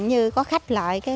như có khách loại